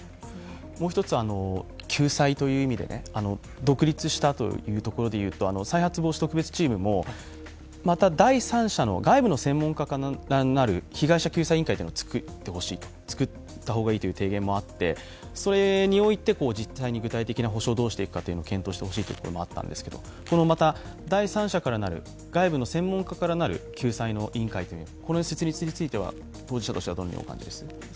もう一つ、救済という意味で独立したというところで言うと再発防止特別チームも、また第三者の、外部の専門家からなる被害者救済委員会をつくった方がいいという意見もあってそれにおいて実際に具体的な補償をどうしてほしいかと検討してほしいというところもあったんですけど、これもまた第三者、外部の専門家からなる被害者救済委員会というのは当事者としてどうですか？